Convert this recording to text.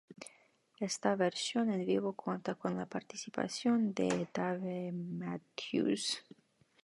Esta versión en vivo cuanta con la participación de Dave Matthews.